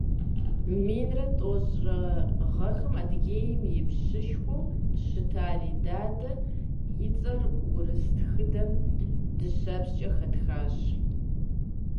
Минрэ тӏощӏ гъэхэм Адыгейм и пщышхуэу щыта Ридадэ и цӏэр урыс тхыдэм дыщэпскӏэ хэтхащ.